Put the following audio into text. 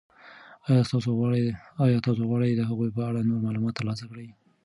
آیا تاسو غواړئ د هغوی په اړه نور معلومات ترلاسه کړئ؟